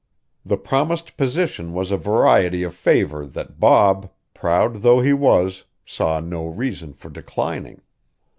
The promised position was a variety of favor that Bob, proud though he was, saw no reason for declining.